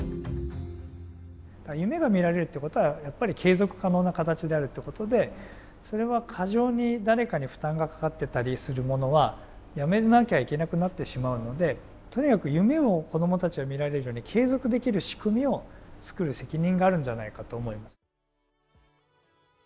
夢が見られるってことはやっぱり継続可能な形であるってことでそれは過剰に誰かに負担がかかってたりするものはやめなきゃいけなくなってしまうのでとにかく夢を子どもたちが見られるように継続できる仕組みを作る責任があるんじゃないかと思います。